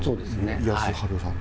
康春さん。